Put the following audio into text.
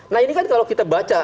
nah ini kan kalau kita baca